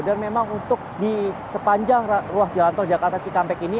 dan memang untuk di sepanjang ruas jalan tol jakarta cikampek ini